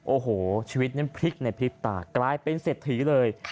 โอ้โหชีวิตนั้นพลิกในพริบตากลายเป็นเศรษฐีเลย